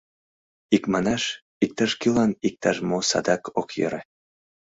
Икманаш, иктаж-кӧлан иктаж-мо садак ок йӧрӧ.